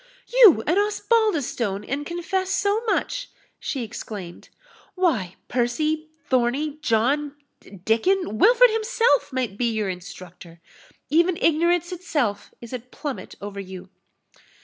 "You an Osbaldistone, and confess so much!" she exclaimed. "Why, Percie, Thornie, John, Dickon Wilfred himself, might be your instructor. Even ignorance itself is a plummet over you."